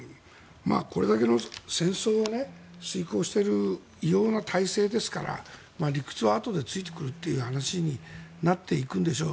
これだけの戦争を遂行している異様な体制ですから理屈はあとでついてくるという話になっていくんでしょう。